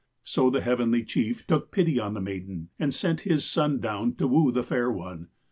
So the Heavenly Chief took pity on the maiden, and sent his son down to woo the fair one.